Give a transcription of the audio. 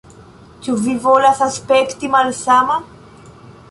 Ĉu vi volas aspekti malsama?